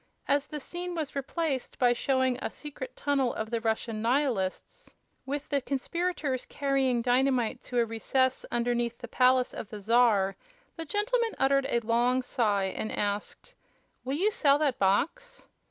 As the scene was replaced by one showing a secret tunnel of the Russian Nihilists, with the conspirators carrying dynamite to a recess underneath the palace of the Czar, the gentleman uttered a long sigh and asked: "Will you sell that box?"